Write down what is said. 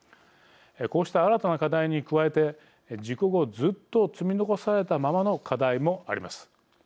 こうした新たな課題に加えて事故後ずっと積み残されたままの課題もあります。